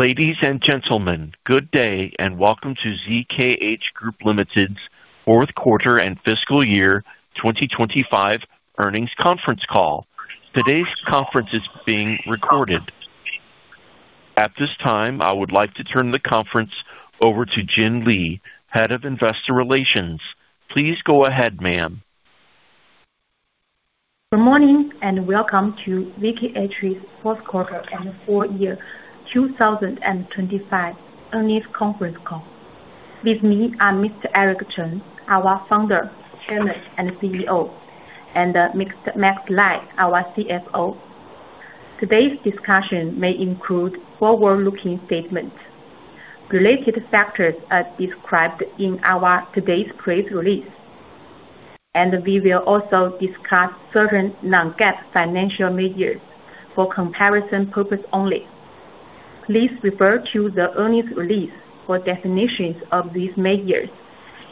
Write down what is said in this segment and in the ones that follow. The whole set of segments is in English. Ladies and gentlemen, good day and welcome to ZKH Group Limited's fourth quarter and fiscal year 2025 earnings conference call. Today's conference is being recorded. At this time, I would like to turn the conference over to Jin Li, Head of Investor Relations. Please go ahead, ma'am. Good morning and welcome to ZKH's fourth quarter and full year 2025 earnings conference call. With me are Mr. Eric Chen, our founder, chairman, and CEO, and Mr. Max Lai, our CFO. Today's discussion may include forward-looking statements. Related factors are described in our today's press release, and we will also discuss certain non-GAAP financial measures for comparison purpose only. Please refer to the earnings release for definitions of these measures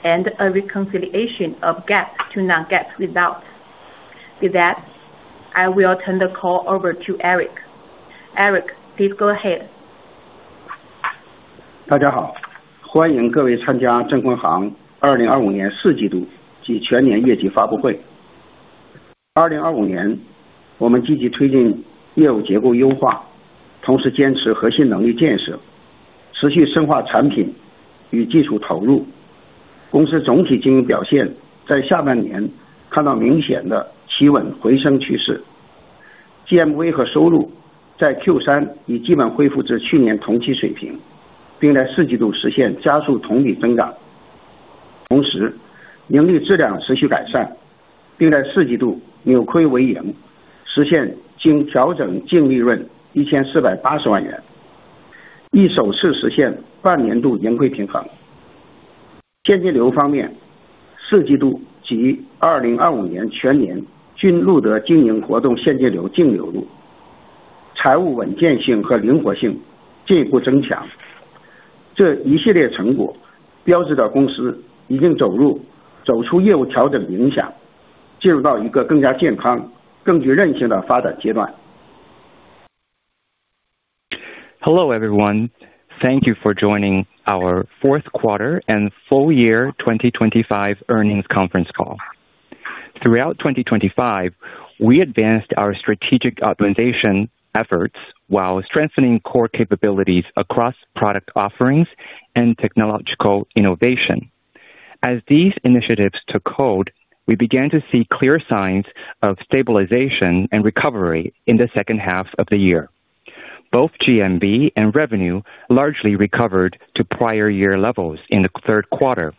and a reconciliation of GAAP to non-GAAP results. With that, I will turn the call over to Eric. Eric, please go ahead. Hello, everyone. Thank you for joining our fourth quarter and full year 2025 earnings conference call. Throughout 2025, we advanced our strategic optimization efforts while strengthening core capabilities across product offerings and technological innovation. As these initiatives took hold, we began to see clear signs of stabilization and recovery in the second half of the year. Both GMV and revenue largely recovered to prior year levels in the third quarter,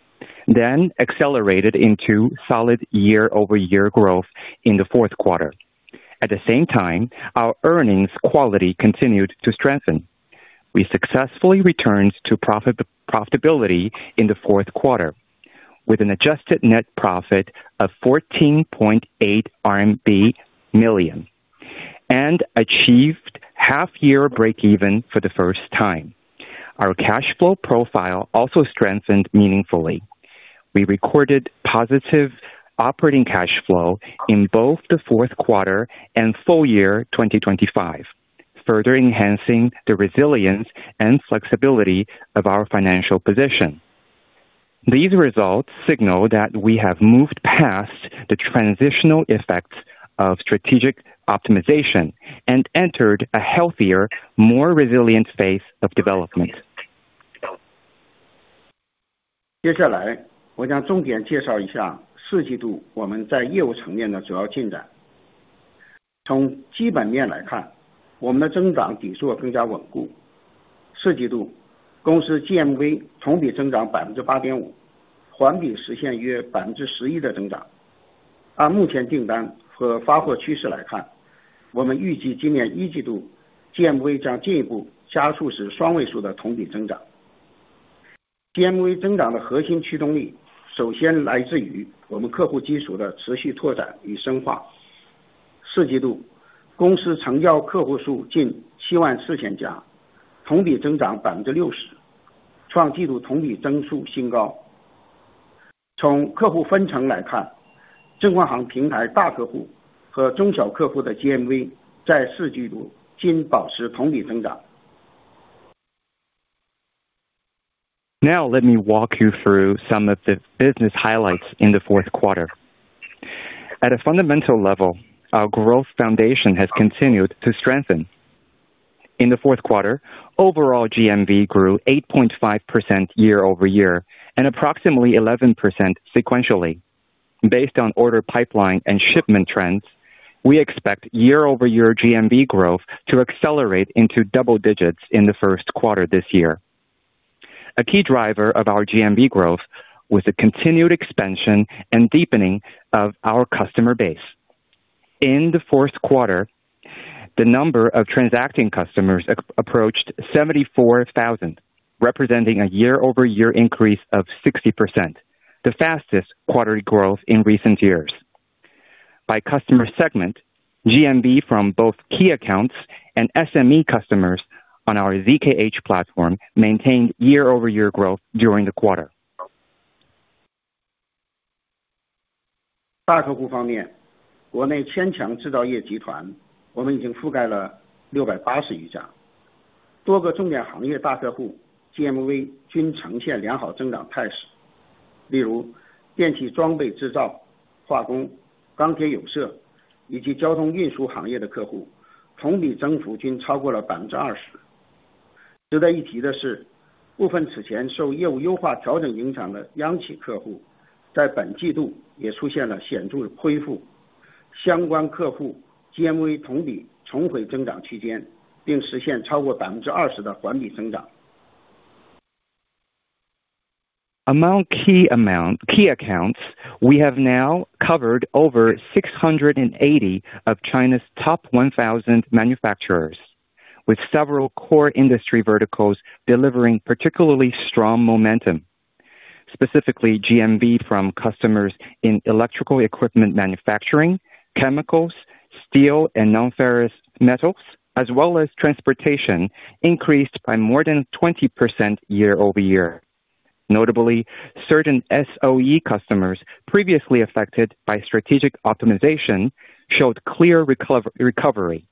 then accelerated into solid year-over-year growth in the fourth quarter. At the same time, our earnings quality continued to strengthen. We successfully returned to profitability in the fourth quarter, with an adjusted net profit of 14.8 million RMB, and achieved half-year break-even for the first time. Our cash flow profile also strengthened meaningfully. We recorded positive operating cash flow in both the fourth quarter and full year 2025, further enhancing the resilience and flexibility of our financial position. These results signal that we have moved past the transitional effects of strategic optimization and entered a healthier, more resilient phase of development. Now let me walk you through some of the business highlights in the fourth quarter. At a fundamental level, our growth foundation has continued to strengthen. In the fourth quarter, overall GMV grew 8.5% year-over-year and approximately 11% sequentially. Based on order pipeline and shipment trends, we expect year-over-year GMV growth to accelerate into double digits in the first quarter this year. A key driver of our GMV growth was the continued expansion and deepening of our customer base. In the fourth quarter, the number of transacting customers approached 74,000, representing a year-over-year increase of 60%, the fastest quarterly growth in recent years. By customer segment, GMV from both key accounts and SME customers on our ZKH platform maintained year-over-year growth during the quarter. Among key accounts we have now covered over 680 of China's top 1,000 manufacturers with several core industry verticals delivering particularly strong momentum. Specifically GMV from customers in electrical equipment manufacturing, chemicals, steel and non-ferrous metals as well as transportation increased by more than 20% year-over-year. Notably, certain SOE customers previously affected by strategic optimization showed clear recovery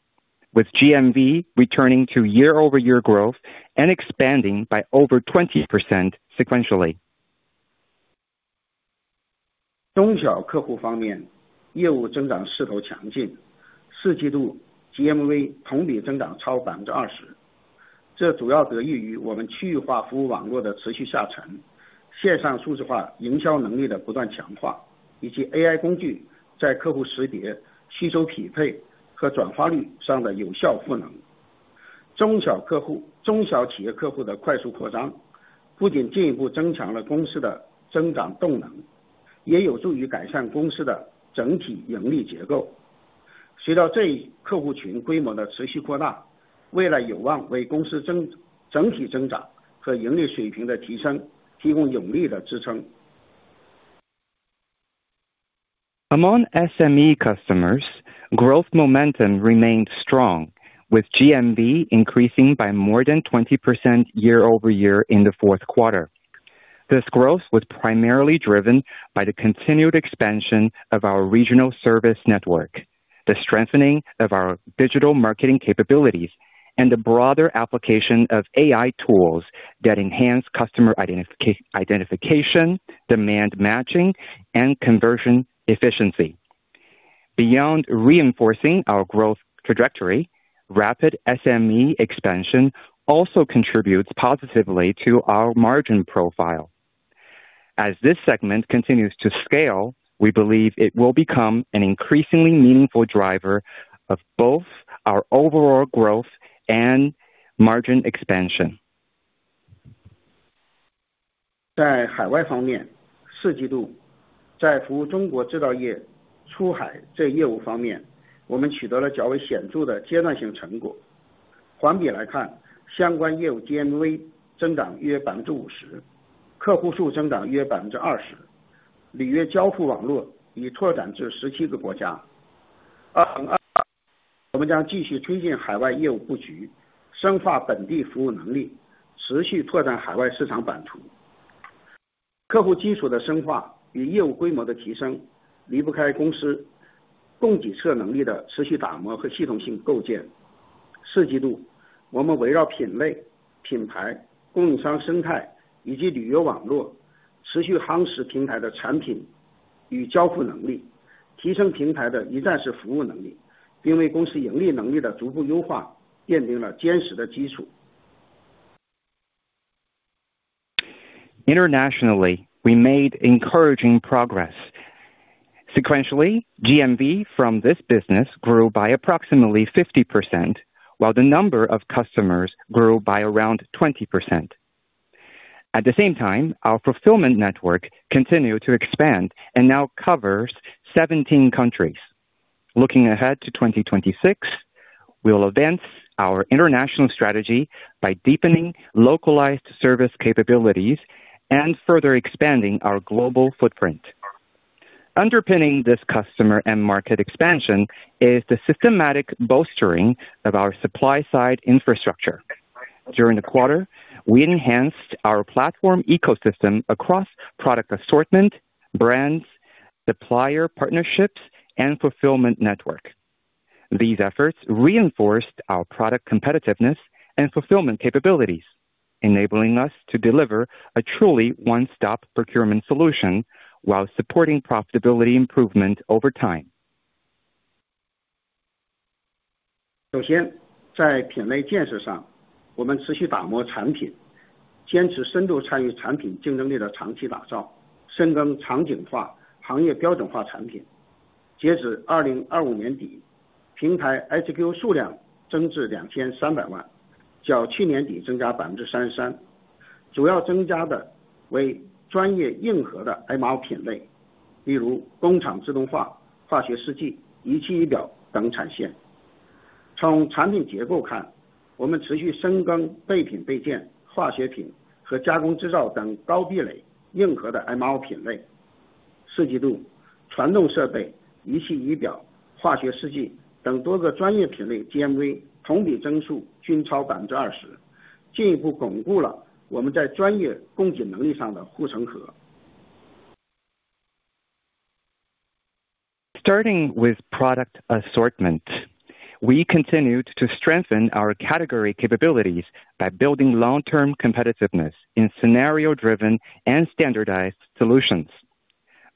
with GMV returning to year-over-year growth and expanding by over 20% sequentially. Among SME customers, growth momentum remained strong, with GMV increasing by more than 20% year-over-year in the fourth quarter. This growth was primarily driven by the continued expansion of our regional service network, the strengthening of our digital marketing capabilities, and the broader application of AI tools that enhance customer identification, demand matching and conversion efficiency. Beyond reinforcing our growth trajectory, rapid SME expansion also contributes positively to our margin profile. As this segment continues to scale, we believe it will become an increasingly meaningful driver of both our overall growth and margin expansion. Internationally, we made encouraging progress. Sequentially GMV from this business grew by approximately 50%, while the number of customers grew by around 20%. At the same time, our fulfillment network continued to expand and now covers 17 countries. Looking ahead to 2026, we will advance our international strategy by deepening localized service capabilities and further expanding our global footprint. Underpinning this customer and market expansion is the systematic bolstering of our supply side infrastructure. During the quarter, we enhanced our platform ecosystem across product assortment, brands, supplier partnerships and fulfillment network. These efforts reinforced our product competitiveness and fulfillment capabilities, enabling us to deliver a truly one stop procurement solution while supporting profitability improvement over time. Starting with product assortment, we continued to strengthen our category capabilities by building long-term competitiveness in scenario-driven and standardized solutions.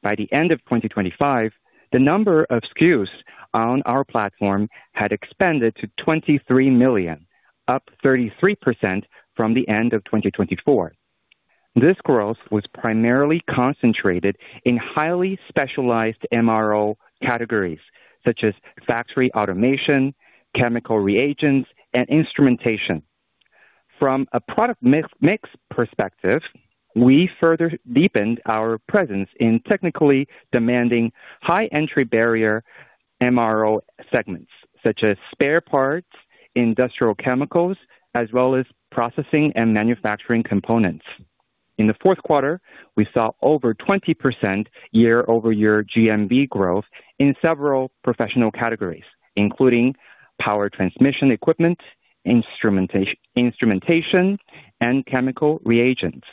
By the end of 2025, the number of SKUs on our platform had expanded to 23 million, up 33% from the end of 2024. This growth was primarily concentrated in highly specialized MRO categories such as factory automation, chemical reagents, and instrumentation. From a product mix perspective, we further deepened our presence in technically demanding high entry barrier MRO segments such as spare parts, industrial chemicals, as well as processing and manufacturing components. In the fourth quarter, we saw over 20% year-over-year GMV growth in several professional categories, including power transmission equipment, instrumentation, and chemical reagents.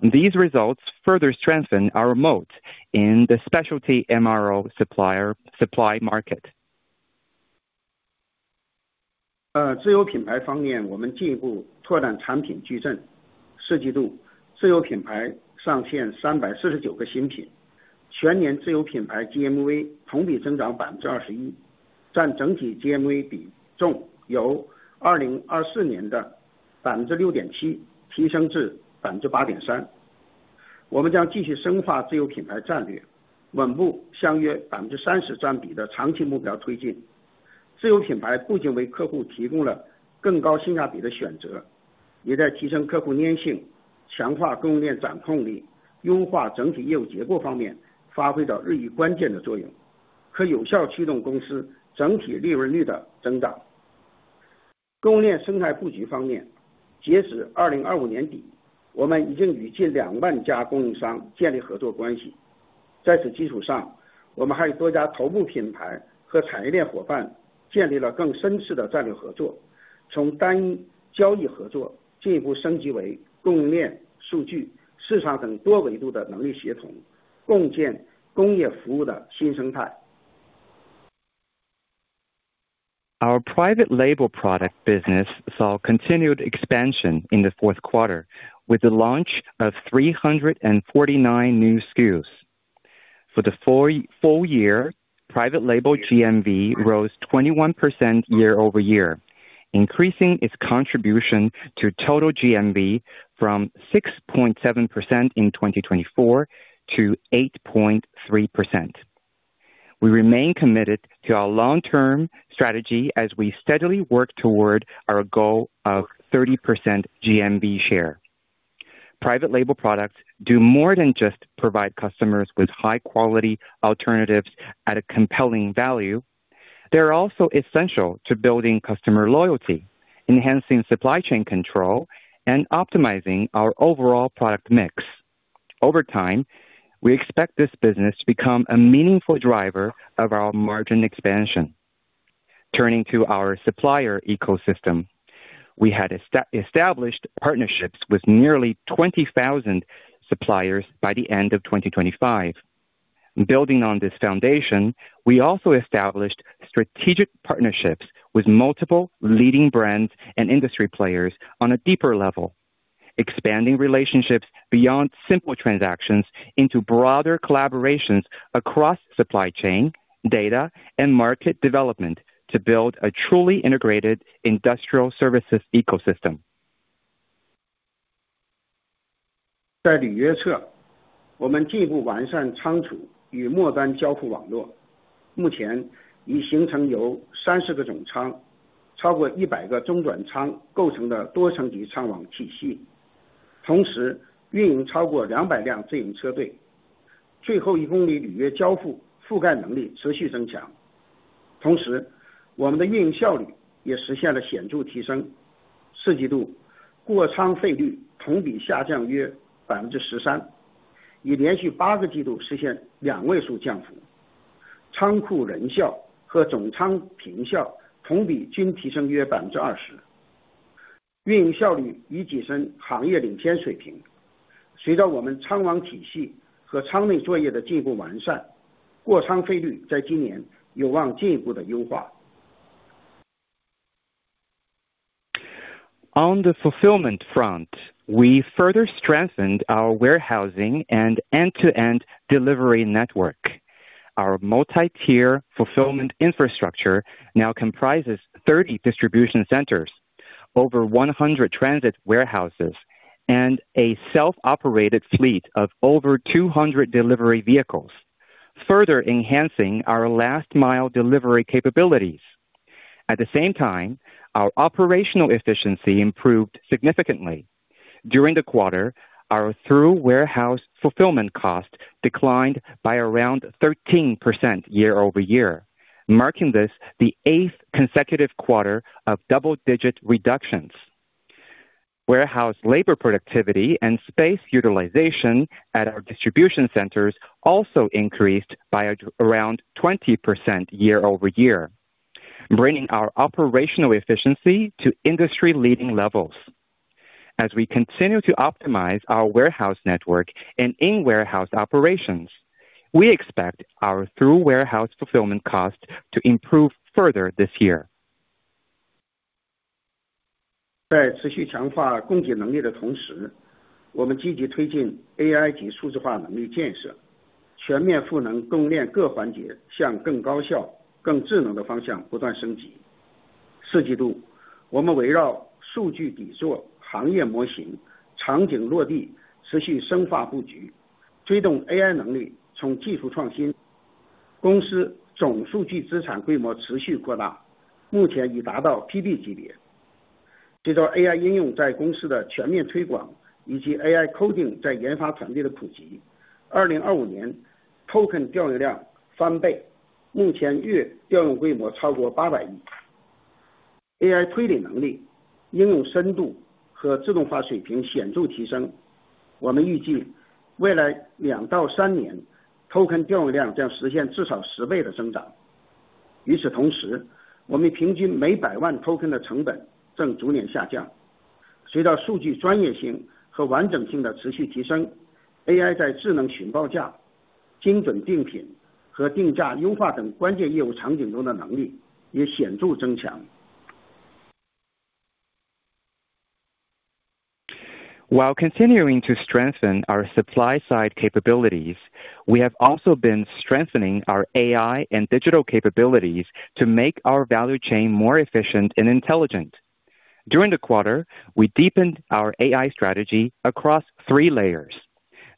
These results further strengthen our moat in the specialty MRO supply market. Our private label product business saw continued expansion in the fourth quarter, with the launch of 349 new SKUs. For the full year, private label GMV rose 21% year-over-year, increasing its contribution to total GMV from 6.7% in 2024 to 8.3%. We remain committed to our long-term strategy as we steadily work toward our goal of 30% GMV share. Private label products do more than just provide customers with high quality alternatives at a compelling value. They're also essential to building customer loyalty, enhancing supply chain control, and optimizing our overall product mix. Over time, we expect this business to become a meaningful driver of our margin expansion. Turning to our supplier ecosystem. We had established partnerships with nearly 20,000 suppliers by the end of 2025. Building on this foundation, we also established strategic partnerships with multiple leading brands and industry players on a deeper level, expanding relationships beyond simple transactions into broader collaborations across supply chain, data, and market development to build a truly integrated industrial services ecosystem. On the fulfillment front, we further strengthened our warehousing and end-to-end delivery network. Our multi-tier fulfillment infrastructure now comprises 30 distribution centers, over 100 transit warehouses and a self-operated fleet of over 200 delivery vehicles, further enhancing our last mile delivery capabilities. At the same time, our operational efficiency improved significantly. During the quarter, our through warehouse fulfillment cost declined by around 13% year-over-year, marking this the 8th consecutive quarter of double-digit reductions. Warehouse labor productivity and space utilization at our distribution centers also increased by around 20% year-over-year. Bringing our operational efficiency to industry leading levels. As we continue to optimize our warehouse network and in-warehouse operations, we expect our through warehouse fulfillment costs to improve further this year. While continuing to strengthen our supply side capabilities, we have also been strengthening our AI and digital capabilities to make our value chain more efficient and intelligent. During the quarter, we deepened our AI strategy across three layers,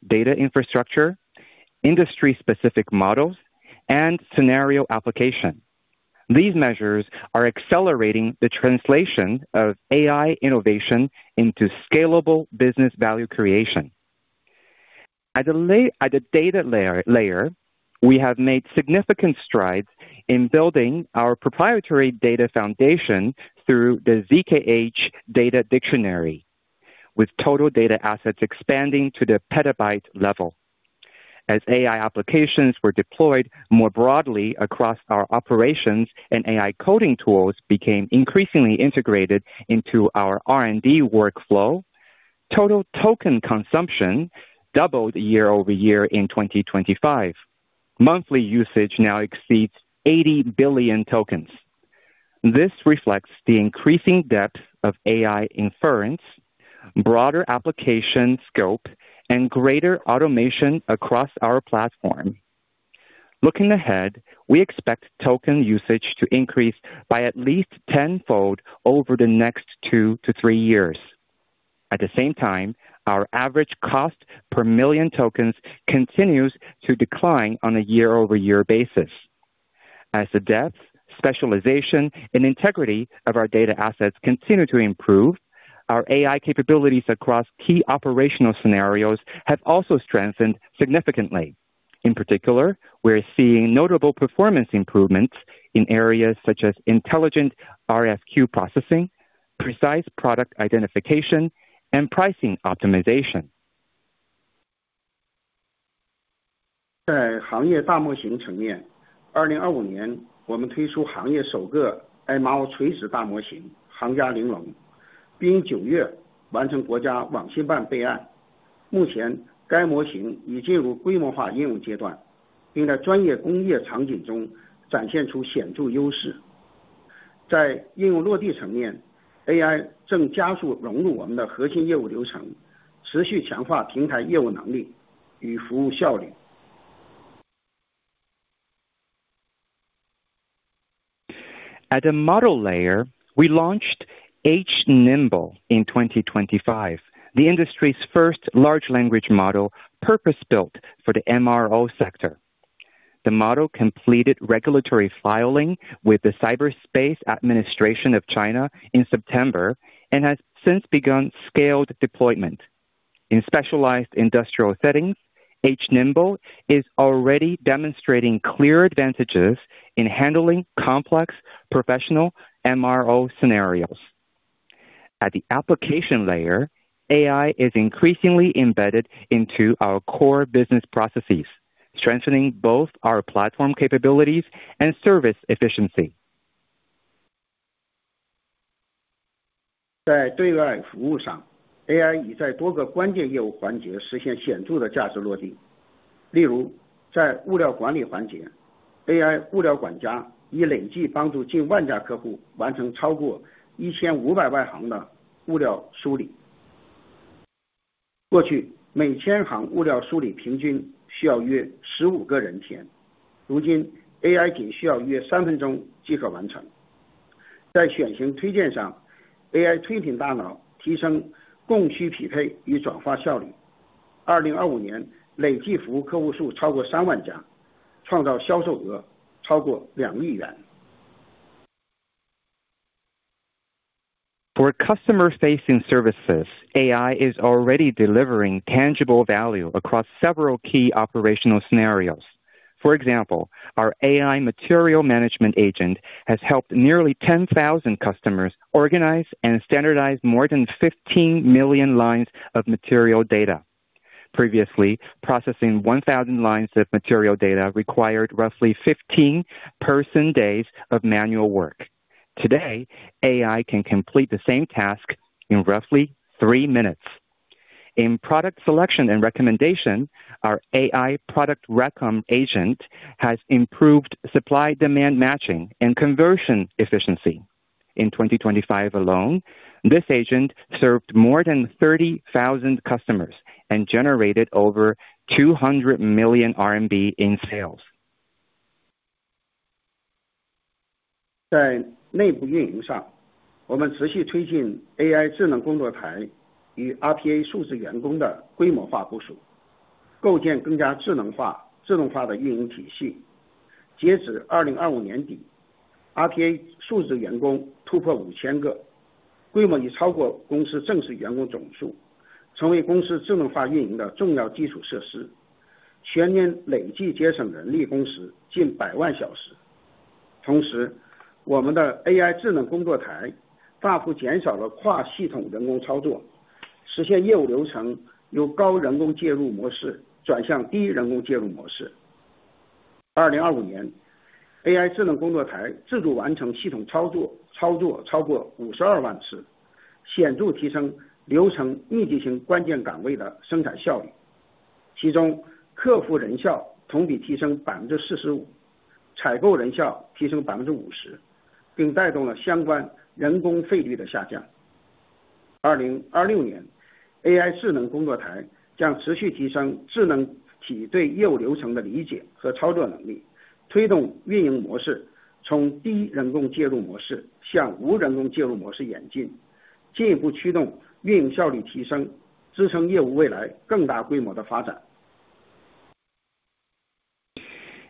data infrastructure, industry-specific models, and scenario application. These measures are accelerating the translation of AI innovation into scalable business value creation. At a data layer, we have made significant strides in building our proprietary data foundation through the ZKH Data Dictionary, with total data assets expanding to the petabyte level. As AI applications were deployed more broadly across our operations and AI coding tools became increasingly integrated into our R&D workflow, total token consumption doubled year-over-year in 2025. Monthly usage now exceeds 80 billion tokens. This reflects the increasing depth of AI inference, broader application scope, and greater automation across our platform. Looking ahead, we expect token usage to increase by at least tenfold over the next two to three years. At the same time, our average cost per million tokens continues to decline on a year-over-year basis. As the depth, specialization, and integrity of our data assets continue to improve, our AI capabilities across key operational scenarios have also strengthened significantly. In particular, we are seeing notable performance improvements in areas such as intelligent RFQ processing, precise product identification, and pricing optimization. 在行业大模型层面，2025年我们推出行业首个MRO垂直大模型行家玲珑，并于九月完成国家网信办备案。目前该模型已进入规模化应用阶段，并在专业工业场景中展现出显著优势。在应用落地层面，AI正加速融入我们的核心业务流程，持续强化平台业务能力与服务效率。At a model layer, we launched H-Nimble in 2025, the industry's first large language model purpose-built for the MRO sector. The model completed regulatory filing with the Cyberspace Administration of China in September and has since begun scaled deployment. In specialized industrial settings, H-Nimble is already demonstrating clear advantages in handling complex professional MRO scenarios. At the application layer, AI is increasingly embedded into our core business processes, strengthening both our platform capabilities and service efficiency. For customer facing services, AI is already delivering tangible value across several key operational scenarios. For example, our AI material management agent has helped nearly 10,000 customers organize and standardize more than 15 million lines of material data. Previously, processing 1,000 lines of material data required roughly 15 person days of manual work. Today, AI can complete the same task in roughly three minutes. In product selection and recommendation, our AI product recommendation agent has improved supply demand matching and conversion efficiency. In 2025 alone, this agent served more than 30,000 customers and generated over 200 million RMB in sales.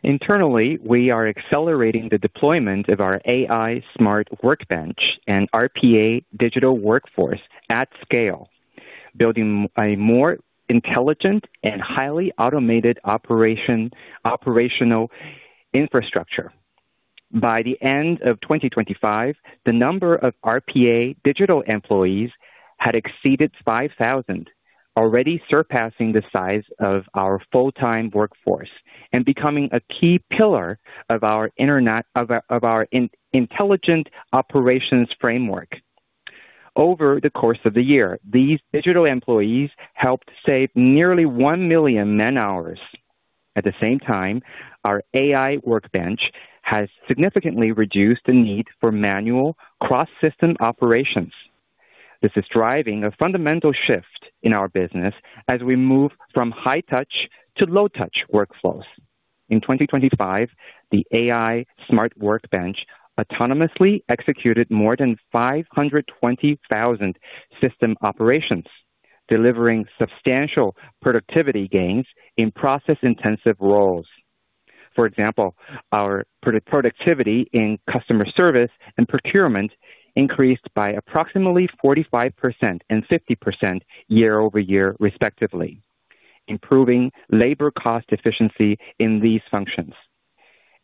Internally, we are accelerating the deployment of our AI smart workbench and RPA digital workforce at scale, building a more intelligent and highly automated operational infrastructure. By the end of 2025, the number of RPA digital employees had exceeded 5,000, already surpassing the size of our full-time workforce and becoming a key pillar of our intelligent operations framework. Over the course of the year, these digital employees helped save nearly 1 million man-hours. At the same time, our AI Smart Workbench has significantly reduced the need for manual cross-system operations. This is driving a fundamental shift in our business as we move from high-touch to low-touch workflows. In 2025, the AI Smart Workbench autonomously executed more than 520,000 system operations, delivering substantial productivity gains in process-intensive roles. For example, our productivity in customer service and procurement increased by approximately 45% and 50% year-over-year, respectively, improving labor cost efficiency in these functions.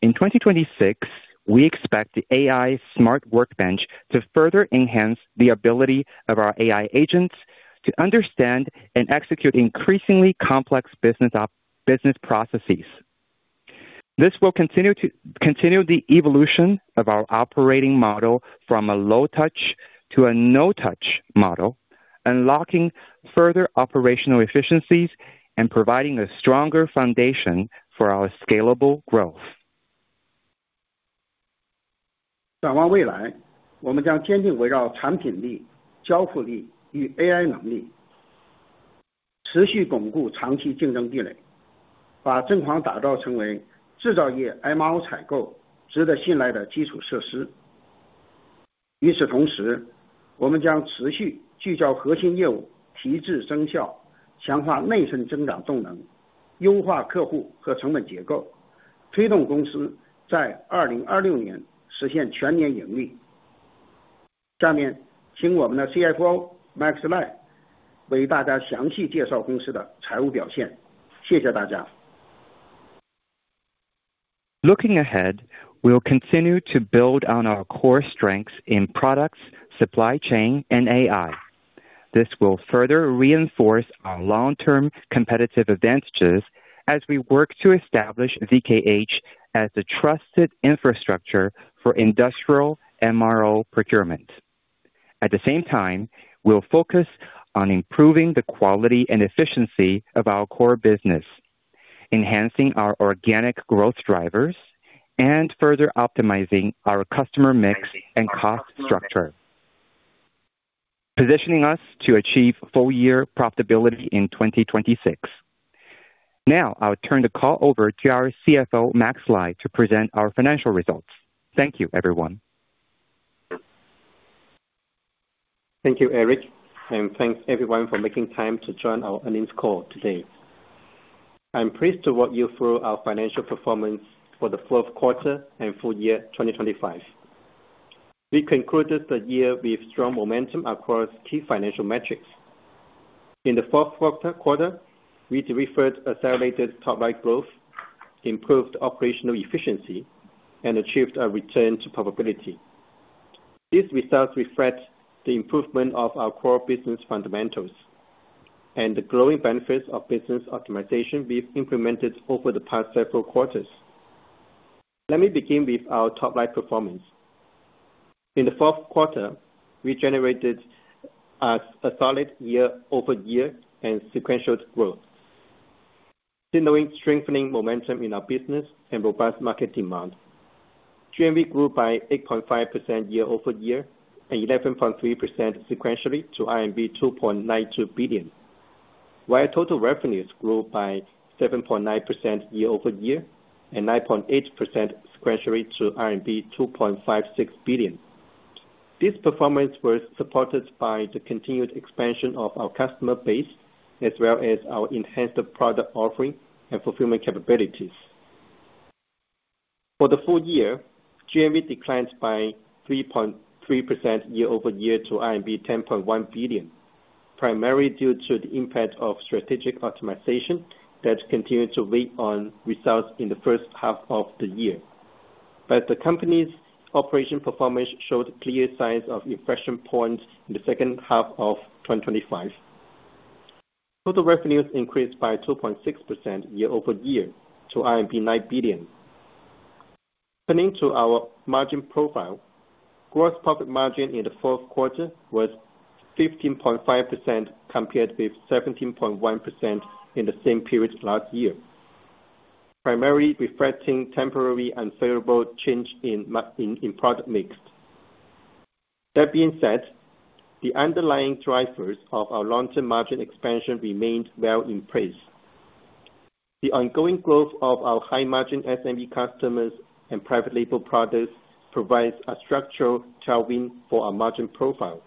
In 2026, we expect the AI Smart Workbench to further enhance the ability of our AI agents to understand and execute increasingly complex business processes. This will continue the evolution of our operating model from a low touch to a no-touch model, unlocking further operational efficiencies and providing a stronger foundation for our scalable growth. Looking ahead, we'll continue to build on our core strengths in products, supply chain, and AI. This will further reinforce our long-term competitive advantages as we work to establish ZKH as the trusted infrastructure for industrial MRO procurement. At the same time, we'll focus on improving the quality and efficiency of our core business, enhancing our organic growth drivers, and further optimizing our customer mix and cost structure, positioning us to achieve full year profitability in 2026. Now, I'll turn the call over to our CFO, Max Lai, to present our financial results. Thank you, everyone. Thank you, Eric, and thanks everyone for making time to join our earnings call today. I'm pleased to walk you through our financial performance for the fourth quarter and full year 2025. We concluded the year with strong momentum across key financial metrics. In the fourth quarter, we delivered accelerated top line growth, improved operational efficiency and achieved a return to profitability. These results reflect the improvement of our core business fundamentals and the growing benefits of business optimization we've implemented over the past several quarters. Let me begin with our top-line performance. In the fourth quarter, we generated solid year-over-year and sequential growth, signaling strengthening momentum in our business and robust market demand. GMV grew by 8.5% year-over-year, and 11.3% sequentially to RMB 2.92 billion. While total revenues grew by 7.9% year-over-year and 9.8% sequentially to RMB 2.56 billion. This performance was supported by the continued expansion of our customer base, as well as our enhanced product offering and fulfillment capabilities. For the full year, GMV declined by 3.3% year-over-year to RMB 10.1 billion, primarily due to the impact of strategic optimization that continued to weigh on results in the first half of the year. The company's operation performance showed clear signs of inflection points in the second half of 2025. Total revenues increased by 2.6% year-over-year to RMB 9 billion. Turning to our margin profile. Gross profit margin in the fourth quarter was 15.5% compared with 17.1% in the same period last year, primarily reflecting temporary unfavorable change in product mix. That being said, the underlying drivers of our long-term margin expansion remained well in place. The ongoing growth of our high margin SMB customers and private label products provides a structural tailwind for our margin profile.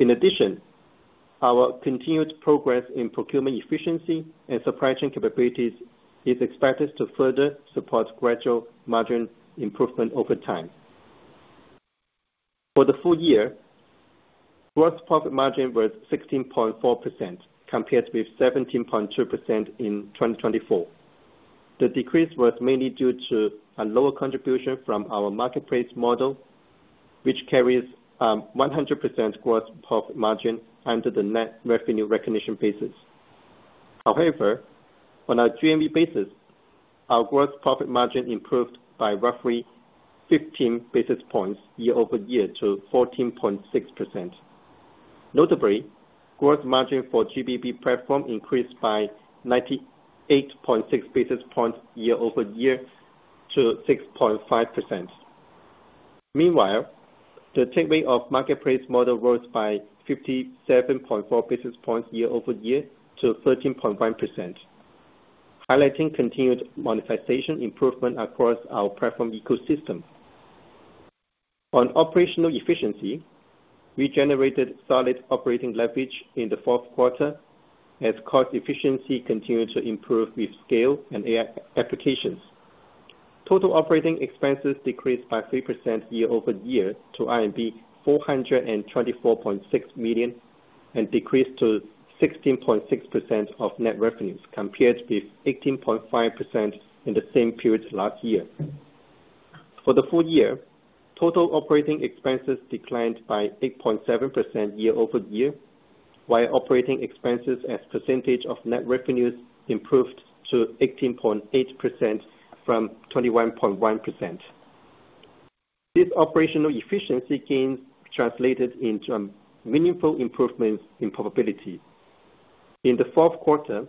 In addition, our continued progress in procurement efficiency and supply chain capabilities is expected to further support gradual margin improvement over time. For the full year, gross profit margin was 16.4% compared with 17.2% in 2024. The decrease was mainly due to a lower contribution from our marketplace model, which carries 100% gross profit margin under the net revenue recognition basis. However, on our GMV basis, our gross profit margin improved by roughly 15 basis points year-over-year to 14.6%. Notably, gross margin for GBB platform increased by 98.6 basis points year-over-year to 6.5%. Meanwhile, the take rate of marketplace model rose by 57.4 basis points year-over-year to 13.1%, highlighting continued monetization improvement across our platform ecosystem. On operational efficiency, we generated solid operating leverage in the fourth quarter as cost efficiency continued to improve with scale and AI applications. Total operating expenses decreased by 3% year-over-year to RMB 424.6 million and decreased to 16.6% of net revenues, compared with 18.5% in the same period last year. For the full year, total operating expenses declined by 8.7% year-over-year, while operating expenses as percentage of net revenues improved to 18.8% from 21.1%. These operational efficiency gains translated into meaningful improvements in profitability. In the fourth quarter,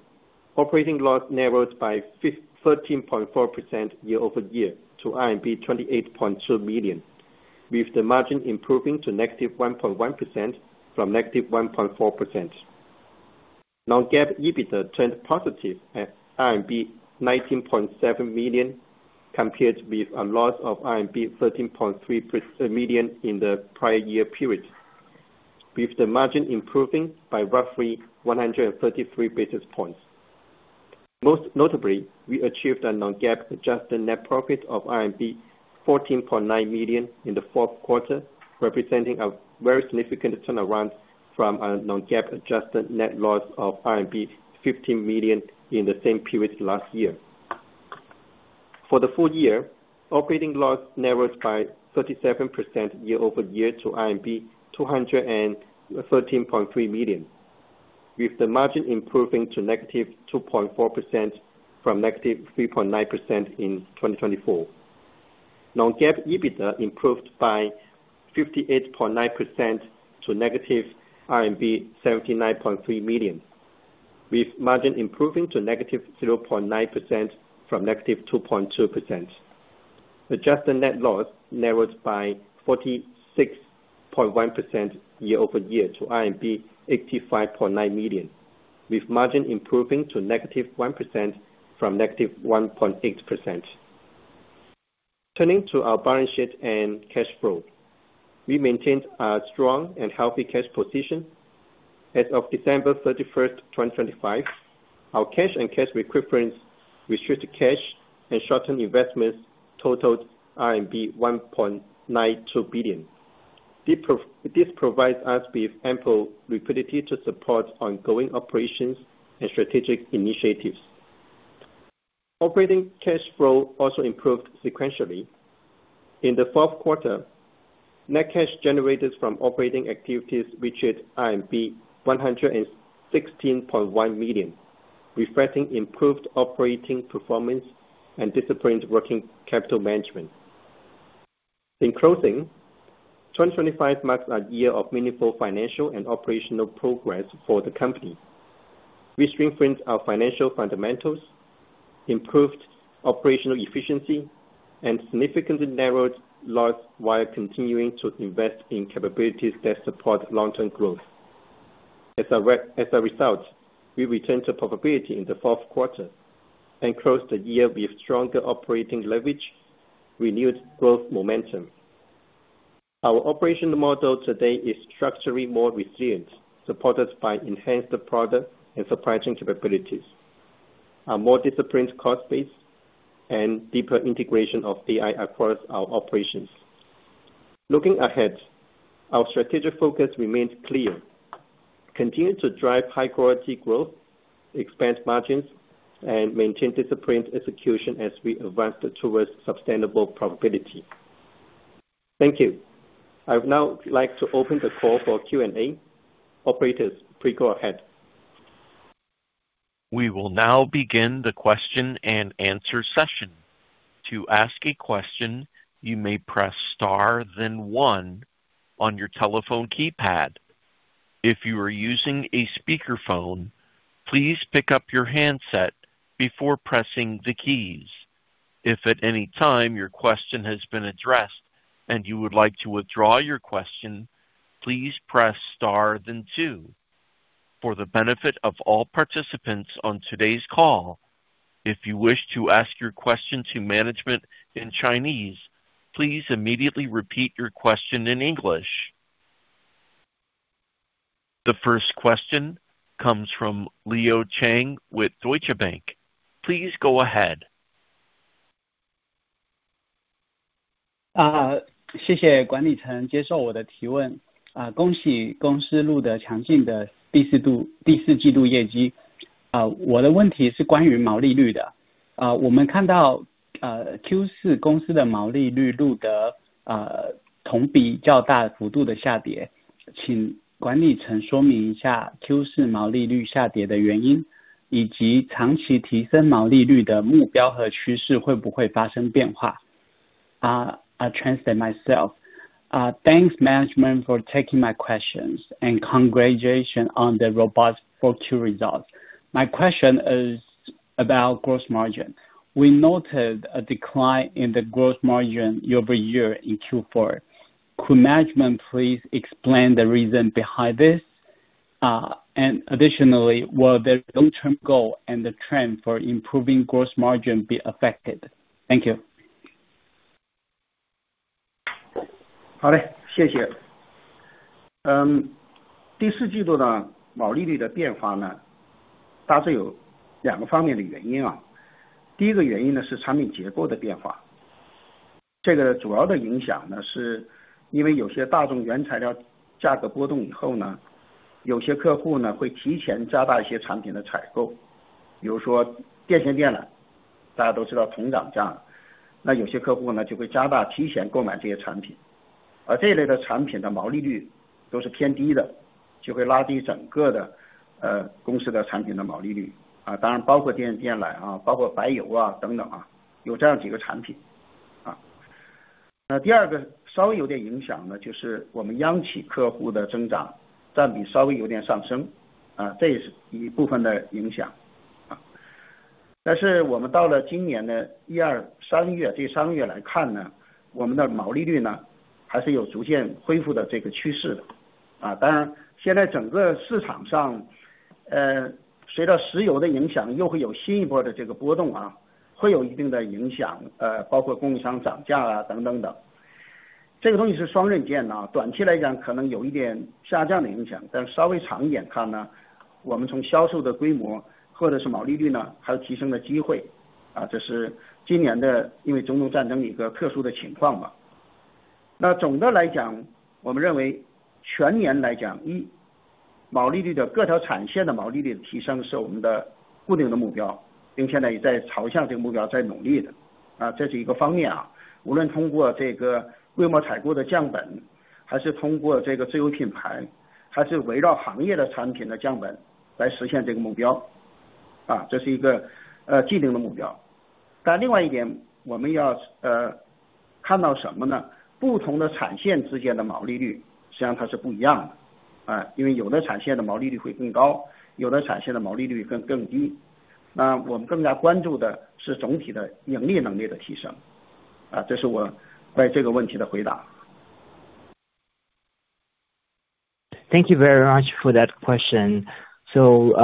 operating loss narrowed by 13.4% year-over-year to RMB 28.2 million, with the margin improving to -1.1% from -1.4%. Non-GAAP EBITDA turned positive at RMB 19.7 million, compared with a loss of RMB 13.3 million in the prior year period, with the margin improving by roughly 133 basis points. Most notably, we achieved a non-GAAP adjusted net profit of RMB 14.9 million in the fourth quarter, representing a very significant turnaround from a non-GAAP adjusted net loss of RMB 50 million in the same period last year. For the full year, operating loss narrowed by 37% year-over-year to RMB 213.3 million, with the margin improving to -2.4% from -3.9% in 2024. Non-GAAP EBITDA improved by 58.9% to RMB -79.3 million, with margin improving to -0.9% from -2.2%. Adjusted net loss narrowed by 46.1% year-over-year to RMB 85.9 million, with margin improving to -1% from -1.8%. Turning to our balance sheet and cash flow. We maintained a strong and healthy cash position. As of 31 December 2025, our cash and cash equivalents restricted cash and short-term investments totaled RMB 1.92 billion. This provides us with ample liquidity to support ongoing operations and strategic initiatives. Operating cash flow also improved sequentially. In the fourth quarter, net cash generated from operating activities reached 116.1 million, reflecting improved operating performance and disciplined working capital management. In closing, 2025 marks a year of meaningful financial and operational progress for the company, which strengthened our financial fundamentals, improved operational efficiency, and significantly narrowed loss while continuing to invest in capabilities that support long-term growth. As a result, we returned to profitability in the fourth quarter and closed the year with stronger operating leverage, renewed growth momentum. Our operational model today is structurally more resilient, supported by enhanced product and supply chain capabilities, a more disciplined cost base, and deeper integration of AI across our operations. Looking ahead, our strategic focus remains clear. Continue to drive high-quality growth, expand margins, and maintain disciplined execution as we advance towards sustainable profitability. Thank you. I would now like to open the call for Q&A. Operators, please go ahead. We will now begin the question and answer session. To ask a question, you may press star then one on your telephone keypad. If you are using a speakerphone, please pick up your handset before pressing the keys. If at any time your question has been addressed and you would like to withdraw your question, please press star then two. For the benefit of all participants on today's call, if you wish to ask your question to management in Chinese, please immediately repeat your question in English. The first question comes from Liu Chang with Deutsche Bank. Please go ahead. I'll translate myself. Thanks management for taking my questions and congratulations on the robust 4Q results. My question is about gross margin. We noted a decline in the gross margin year-over-year in Q4. Could management please explain the reason behind this? Additionally, will the long-term goal and the trend for improving gross margin be affected? Thank you. Thank you very much for that question. To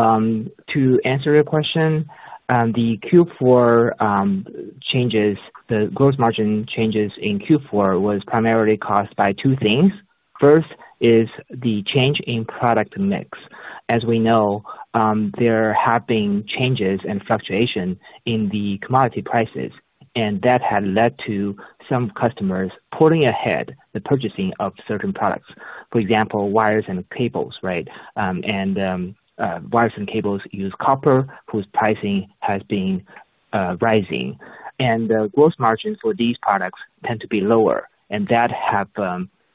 answer your question, the Q4 changes, the gross margin changes in Q4 was primarily caused by two things. First is the change in product mix. As we know, there have been changes and fluctuation in the commodity prices and that had led to some customers pulling ahead the purchasing of certain products. For example, wires and cables, right? Wires and cables use copper, whose pricing has been rising. The gross margin for these products tend to be lower, and that have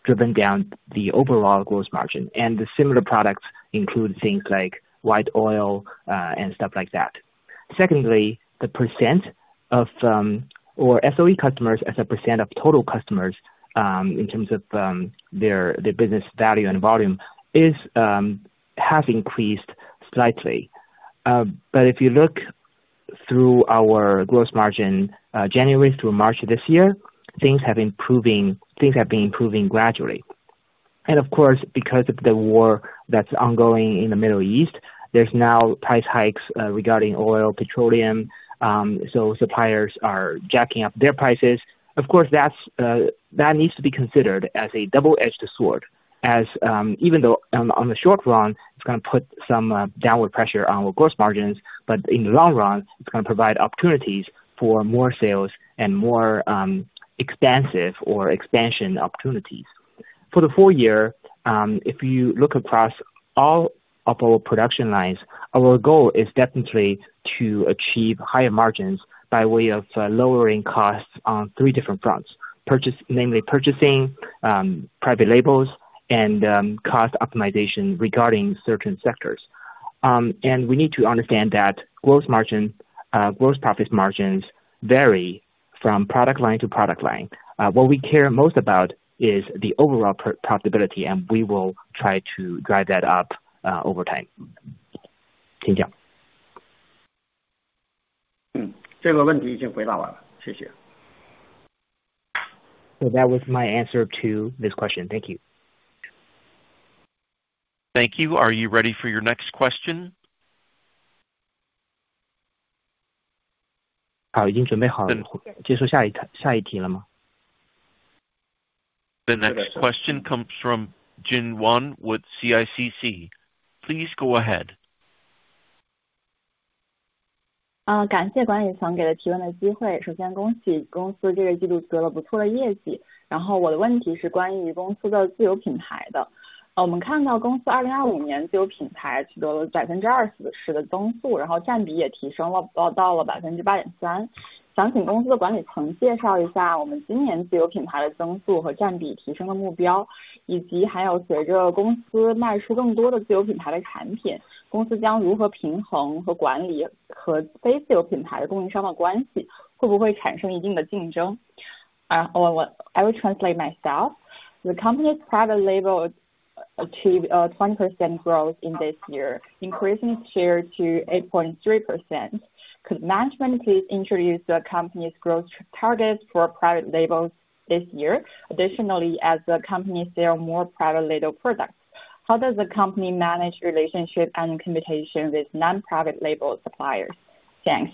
driven down the overall gross margin. The similar products include things like white oil, and stuff like that. Secondly, the percent of or SOE customers as a percent of total customers, in terms of their business value and volume has increased slightly. If you look through our gross margin, January through March this year, things have been improving gradually. Of course, because of the war that's ongoing in the Middle East, there's now price hikes regarding oil, petroleum. Suppliers are jacking up their prices. Of course, that's that needs to be considered as a double-edged sword, as even though on the short run, it's gonna put some downward pressure on our gross margins. In the long run, it's gonna provide opportunities for more sales and more expansive or expansion opportunities. For the full year, if you look across all of our production lines, our goal is definitely to achieve higher margins by way of lowering costs on three different fronts, namely purchasing, private labels and cost optimization regarding certain sectors. We need to understand that gross margin, gross profit margins vary from product line to product line. What we care most about is the overall profitability, and we will try to drive that up over time. That was my answer to this question. Thank you. Thank you. Are you ready for your next question? The next question comes from Jin Wan with CICC. Please go ahead. Well, I will translate myself. The company's private label achieved 20% growth in this year, increasing its share to 8.3%. Could management please introduce the company's growth targets for private labels this year? Additionally, as the company sell more private label products, how does the company manage relationship and communication with non-private label suppliers? Thanks.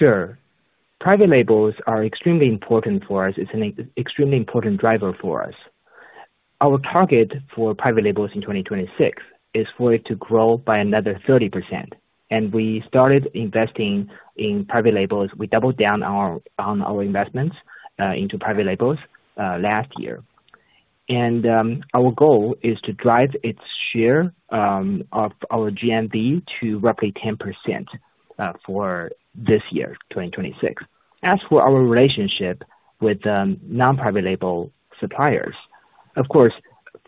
Sure. Private labels are extremely important for us. It's an extremely important driver for us. Our target for private labels in 2026 is for it to grow by another 30%. We started investing in private labels. We doubled down on our investments into private labels last year. Our goal is to drive its share of our GMV to roughly 10% for this year, 2026. As for our relationship with non-private label suppliers, of course.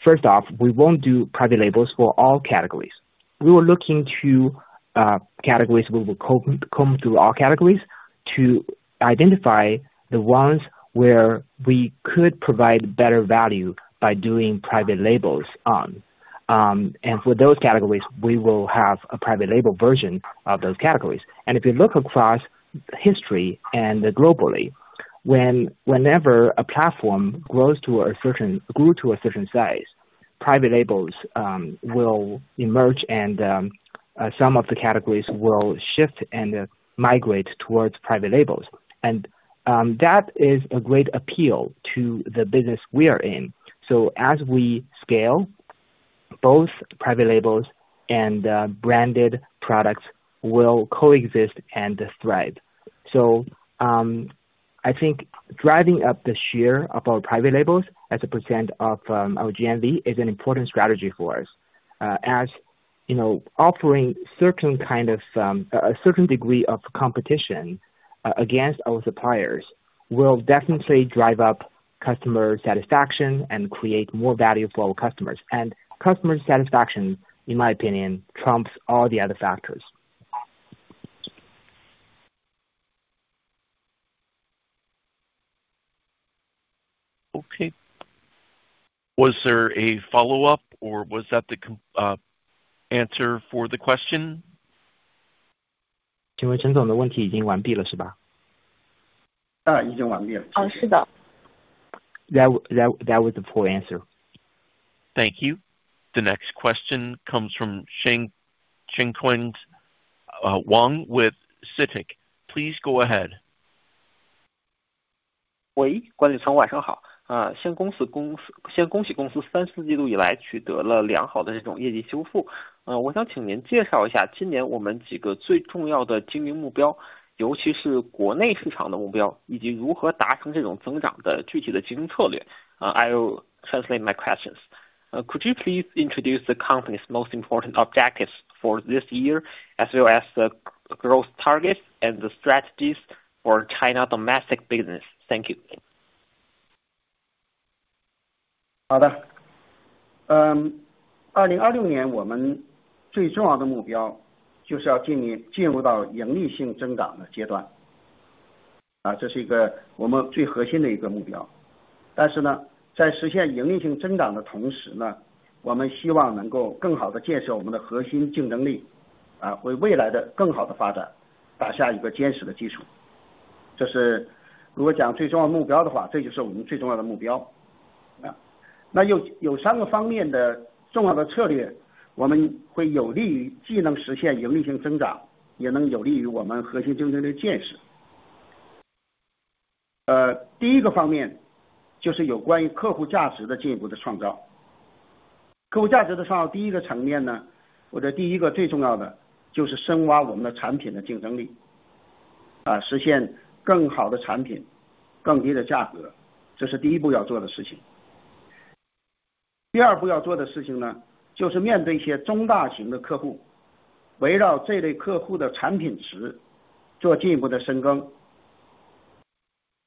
First off, we won't do private labels for all categories. We were looking to categories. We will comb through all categories to identify the ones where we could provide better value by doing private labels on. For those categories, we will have a private label version of those categories. If you look across history and globally, whenever a platform grows to a certain size, private labels will emerge and some of the categories will shift and migrate towards private labels. That is a great appeal to the business we are in. As we scale, both private labels and branded products will coexist and thrive. I think driving up the share of our private labels as a percent of our GMV is an important strategy for us. As you know, offering certain kind of a certain degree of competition against our suppliers will definitely drive up customer satisfaction and create more value for our customers. Customer satisfaction, in my opinion, trumps all the other factors. Okay. Was there a follow-up or was that the answer for the question? Thank you. The next question comes from Shen Qiang with CITIC. Please go ahead. I'll translate my questions. Could you please introduce the company's most important objectives for this year as well as the growth targets and the strategies for China domestic business? Thank you.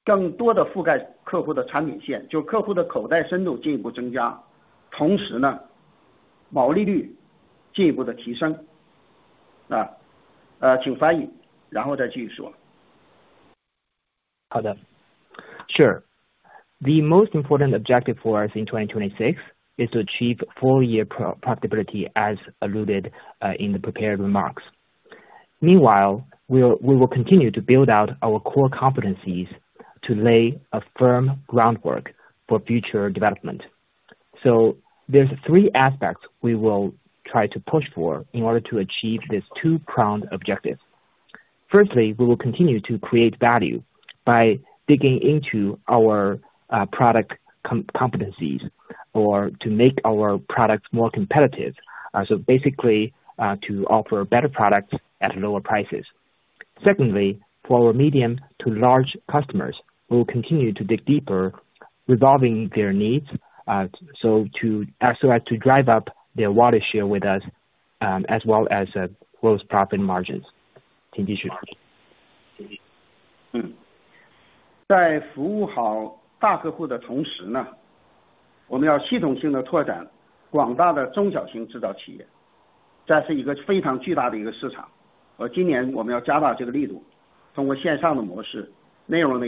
Sure. The most important objective for us in 2026 is to achieve full-year profitability, as alluded, in the prepared remarks. Meanwhile, we'll—we will continue to build out our core competencies to lay a firm groundwork for future development. There's three aspects we will try to push for in order to achieve these two-pronged objectives. Firstly, we will continue to create value by digging into our product competencies or to make our products more competitive. Basically, to offer better products at lower prices. Secondly, for our medium to large customers, we will continue to dig deeper, resolving their needs, so as to drive up their wallet share with us, as well as gross profit margins. On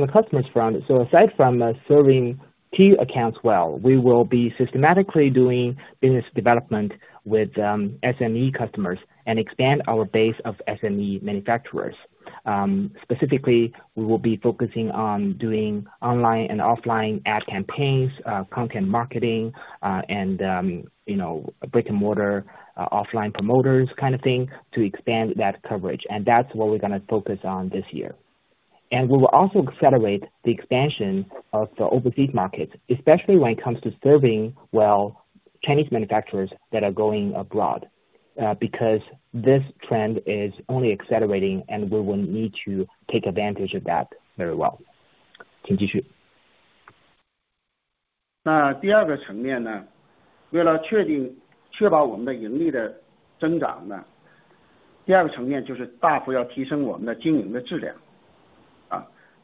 the customers front, aside from serving key accounts well, we will be systematically doing business development with SME customers and expand our base of SME manufacturers. Specifically, we will be focusing on doing online and offline ad campaigns, content marketing, and you know, brick-and-mortar offline promoters kind of thing to expand that coverage. That's what we're gonna focus on this year. We will also accelerate the expansion of the overseas markets, especially when it comes to serving well Chinese manufacturers that are going abroad, because this trend is only accelerating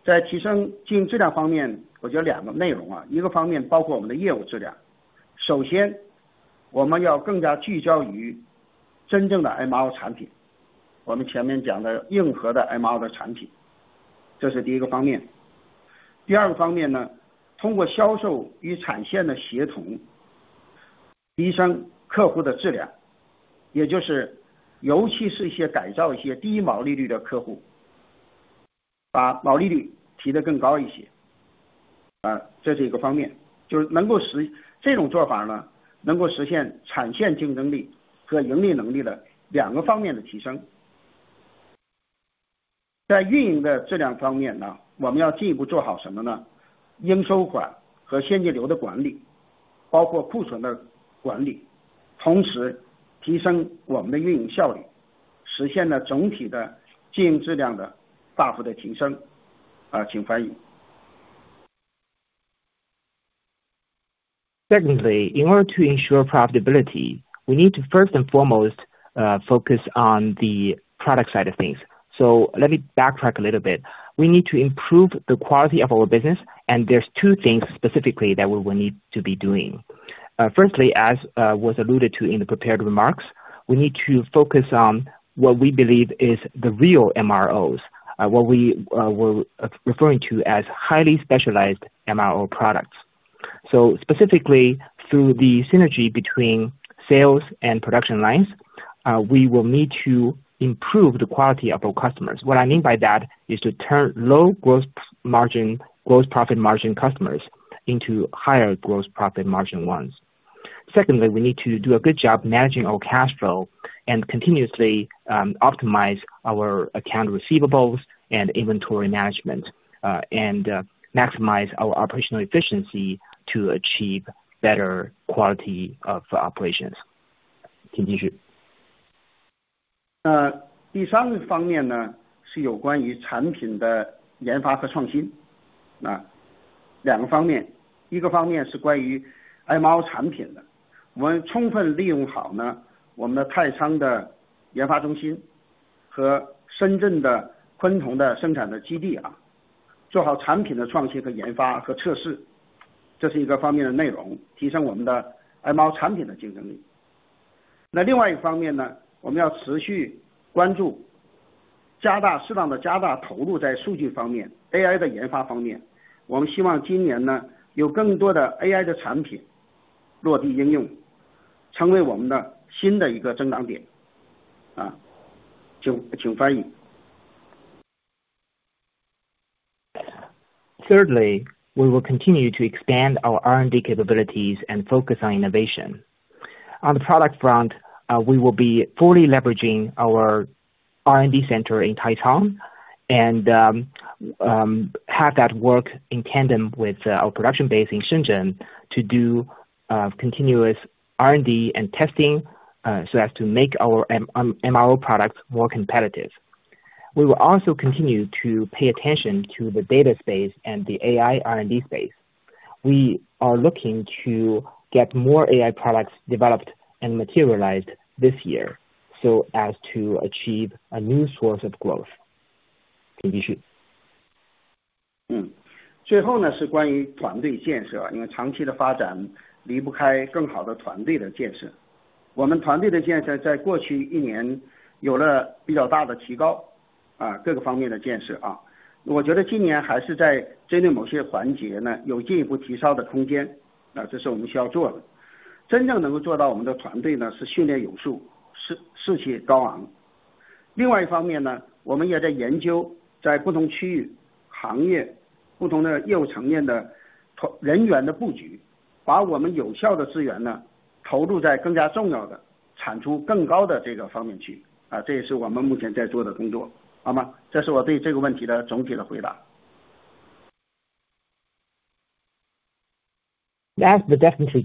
and we will need to take advantage of that very well. Secondly, in order to ensure profitability, we need to first and foremost, focus on the product side of things. Let me backtrack a little bit. We need to improve the quality of our business and there's two things specifically that we will need to be doing. Firstly, as was alluded to in the prepared remarks, we need to focus on what we believe is the real MROs, what we're referring to as highly specialized MRO products. Specifically through the synergy between sales and production lines, we will need to improve the quality of our customers. What I mean by that is to turn low gross margin, gross profit margin customers into higher gross profit margin ones. Secondly, we need to do a good job managing our cash flow and continuously optimize our account receivables and inventory management, and maximize our operational efficiency to achieve better quality of operations. 两方面，一个方面是关于MRO产品的。我们充分利用好我们的太仓的研发中心和深圳的昆桐的生产的基地，做好产品的创新和研发和测试，这是一个方面的内容，提升我们的MRO产品的竞争力。那另外一方面呢，我们要持续关注，加大，适当的加大投入在数据方面，AI的研发方面。我们希望今年呢有更多的AI的产品落地应用，成为我们的新的一个增长点。请翻译。Thirdly, we will continue to expand our R&D capabilities and focus on innovation. On the product front, we will be fully leveraging our R&D center in Taicang and have that work in tandem with our production base in Shenzhen to do continuous R&D and testing, so as to make our MRO products more competitive. We will also continue to pay attention to the data space and the AI R&D space. We are looking to get more AI products developed and materialized this year so as to achieve a new source of growth. 最后呢是关于团队建设，因为长期的发展离不开更好的团队的建设。我们团队的建设在过去一年有了比较大的提高，各个方面的建设。我觉得今年还是在针对某些环节呢有进一步提升的空间，这是我们需要做的。真正能够做到我们的团队呢是训练有素、士气高昂。另外一方面呢，我们也在研究在不同区域、行业、不同的业务层面的人员的布局，把我们有效的资源呢投入在更加重要的产出更高的这个方面去，这也是我们目前在做的工作。好吗？这是我对这个问题的总体的回答。Last but definitely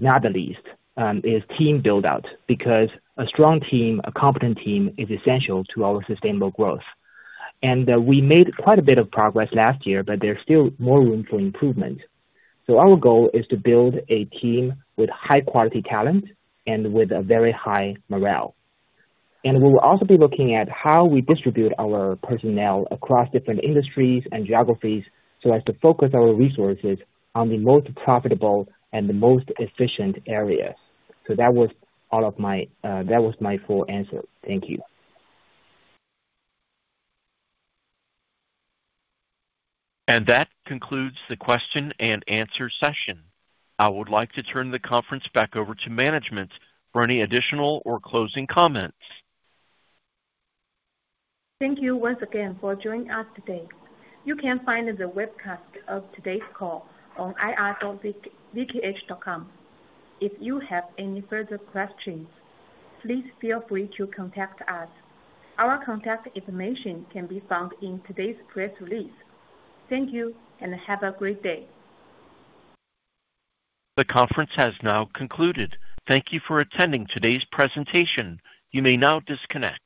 not the least, is team build-out. Because a strong team, a competent team is essential to our sustainable growth. We made quite a bit of progress last year, but there's still more room for improvement. Our goal is to build a team with high-quality talent and with a very high morale. We will also be looking at how we distribute our personnel across different industries and geographies so as to focus our resources on the most profitable and the most efficient areas. That was my full answer. Thank you. That concludes the question and answer session. I would like to turn the conference back over to management for any additional or closing comments. Thank you once again for joining us today. You can find the webcast of today's call on ir.zkh.com. If you have any further questions, please feel free to contact us. Our contact information can be found in today's press release. Thank you and have a great day. The conference has now concluded. Thank you for attending today's presentation. You may now disconnect.